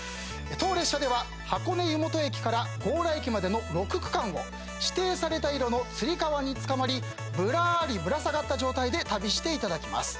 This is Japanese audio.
当列車では箱根湯本駅から強羅駅までの６区間を指定された色のつり革につかまりぶらりぶら下がった状態で旅していただきます。